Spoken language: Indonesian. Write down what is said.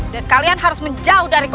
dan kalian harus menjauh dariku